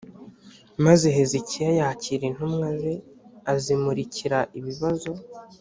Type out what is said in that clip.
maze hezekiya yakira intumwa ze azimurikira ibibazo